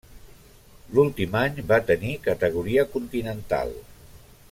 L'últim any va tenir categoria Continental.